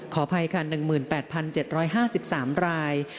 ขออภัยค่ะ๑๘๗๕๓ราย